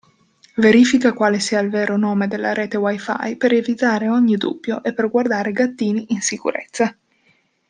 Verifica quale sia il vero nome della rete WiFi per evitare ogni dubbio e per guardare gattini in sicurezza!